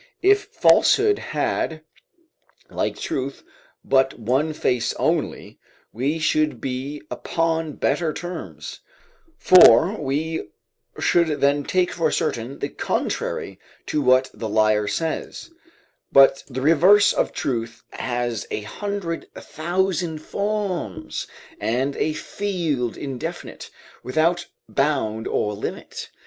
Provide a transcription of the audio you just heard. If falsehood had, like truth, but one face only, we should be upon better terms; for we should then take for certain the contrary to what the liar says: but the reverse of truth has a hundred thousand forms, and a field indefinite, without bound or limit.